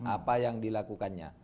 apa yang dilakukannya